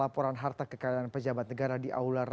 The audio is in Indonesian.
atau laporan harta kekayaan pejabat negara di aula raja inal siregar